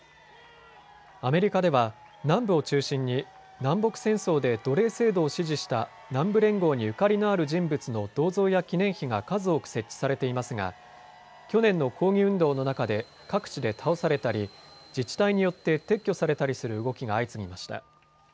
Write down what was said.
アメリカでは南部を中心に南北戦争で奴隷制度を支持した南部連合にゆかりのある人物の銅像や記念碑が数多く設置されていますが去年の抗議運動の中で各地で倒されたり自治体によって撤去されたりする動きが相次ぎました。